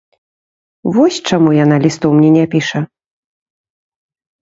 Вось чаму яна лістоў мне не піша.